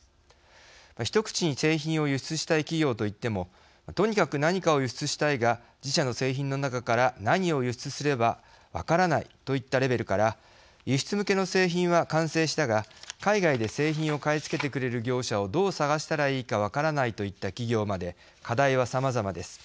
一口に製品を輸出したい企業といってもとにかく何かを輸出したいが自社の製品の中から何を輸出すれば分からないといったレベルから輸出向けの製品は完成したが海外で製品を買い付けてくれる業者をどう探したらいいか分からないといった企業まで課題はさまざまです。